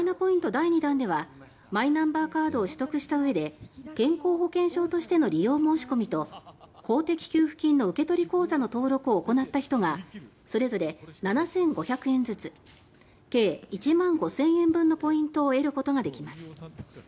第２弾ではマイナンバーカードを取得したうえで健康保険証としての利用申し込みと公的給付金の受け取り口座の登録を行った人がそれぞれ７５００円ずつ計１万５０００円分のポイントを得ることができます。